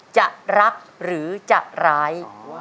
จะรักหรือจะร้าย